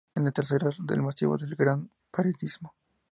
Es la tercera del macizo del Gran Paradiso.